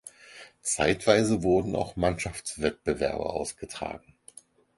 Zeitweise wurden auch Mannschaftswettbewerbe ausgetragen.